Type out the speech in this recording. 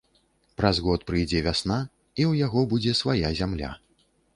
Праз год прыйдзе вясна, і ў яго будзе свая зямля.